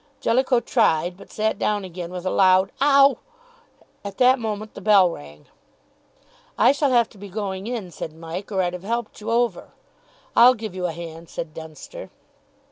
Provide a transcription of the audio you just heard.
Jellicoe tried, but sat down again with a loud "Ow!" At that moment the bell rang. "I shall have to be going in," said Mike, "or I'd have helped you over." "I'll give you a hand," said Dunster.